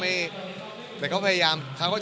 มีอีกประมาณ๑๐ปี